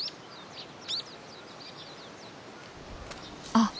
あっ！